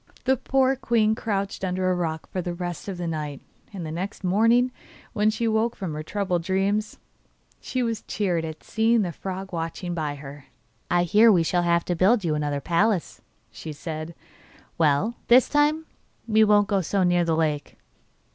The poor queen crouched under a rock for the rest of the night, and the next morning, when she woke from her troubled dreams, she was cheered at seeing the frog watching by her. 'I hear we shall have to build you another palace,' said she. 'Well, this time we won't go so near the lake.